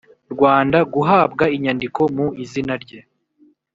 Rwanda guhabwa inyandiko mu izina rye